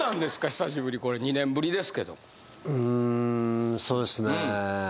久しぶりこれ２年ぶりですけどもうーんそうですね